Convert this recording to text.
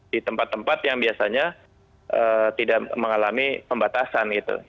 di tempat tempat yang biasanya tidak mengalami pembatasan gitu